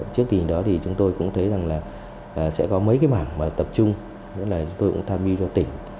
trước tình đó chúng tôi cũng thấy sẽ có mấy mảng tập trung chúng tôi cũng tham mưu cho tỉnh